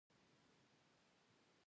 کچالو د پخلي اساسي توکي دي